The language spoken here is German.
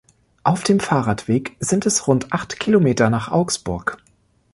Auf dem Fahrradweg sind es rund acht Kilometer nach Augsburg.